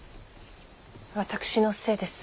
私のせいです。